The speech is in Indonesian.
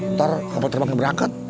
ntar kapal terbang berangkat